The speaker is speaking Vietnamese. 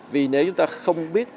vì nếu chúng ta không biết